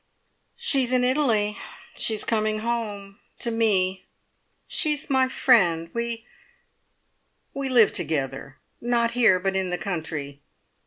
"She's in Italy. She's coming home. To me. She's my friend. We we live together. Not here, but in the country.